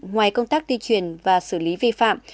ngoài công tác tuyên truyền và xử lý vi phạm